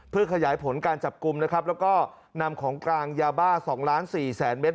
เพื่อขยายผลการจับกลุ่มนะครับแล้วก็นำของกลางยาบ้า๒ล้านสี่แสนเมตร